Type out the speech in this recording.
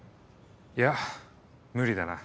いや無理だな